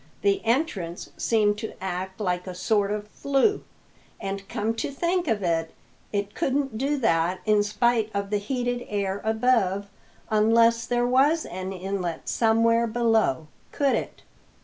The entrance seemed to act like a sort of flue; and, come to think of it, it couldn't do that, in spite of the heated air above, unless there was an inlet somewhere below, could it?"